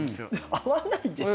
合わないでしょ。